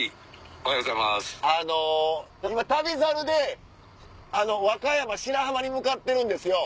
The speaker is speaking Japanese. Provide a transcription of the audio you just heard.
あの今『旅猿』で和歌山・白浜に向かってるんですよ。